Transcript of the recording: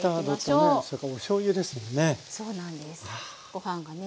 ご飯がね